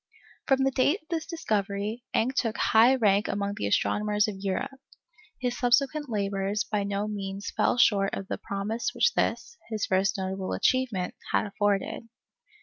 From the date of this discovery, Encke took high rank among the astronomers of Europe. His subsequent labours by no means fell short of the promise which this, his first notable achievement, had afforded.